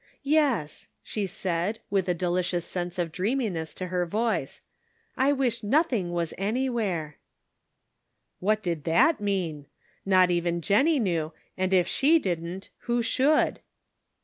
" Yes," she said, with a delicious sense of dreaminess to her voice ;" I wish nothing was anywhere." Measured by Daylight. 277 What did that mean ? Not even Jennie knew, and if she didn't who should?